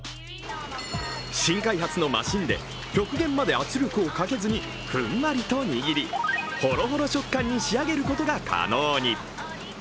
新開発のマシンで極限まで圧力をかけずにふんわりと握りほろほろ食感に仕上げることが可能に。